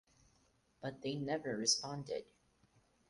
But they never responded.